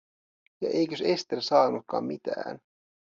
Ja eikös Ester saanutkaan mitään?